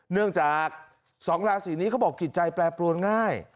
เนื่องจาก๒ราศีนี้เขาบอกจิตใจแปรปรวนง่าย